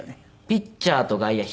ピッチャーと外野。